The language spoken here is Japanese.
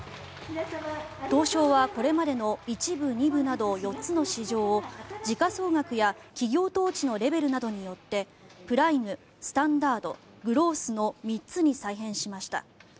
東証はこれまでの１部、２部など４つの市場を時価総額や企業統治のレベルなどによってプライム、スタンダードグロースの３つに再編しました。